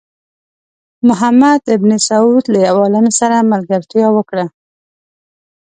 محمد بن سعود له یو عالم سره ملګرتیا وکړه.